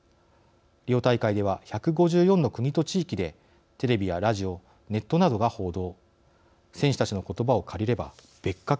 リオ大会では１５４の国と地域でテレビやラジオネットなどが報道。